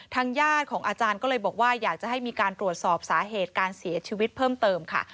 ญาติของอาจารย์ก็เลยบอกว่าอยากจะให้มีการตรวจสอบสาเหตุการเสียชีวิตเพิ่มเติมค่ะ